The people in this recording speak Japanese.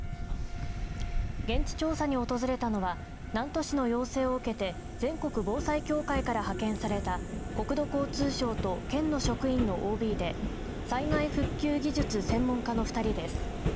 現地調査に訪れたのは南砺市の要請を受けて全国防災協会から派遣された国土交通省と県の職員のＯＢで災害復旧技術専門家の２人です。